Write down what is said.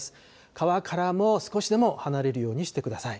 川からも、少しでも離れるようにしてください。